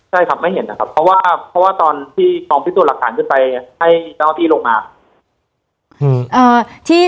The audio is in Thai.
ใช่ครับไม่เห็นนะครับเพราะว่าเพราะว่าตอนที่กองพิสูจน์หลักฐานขึ้นไปให้เจ้าที่ลงมา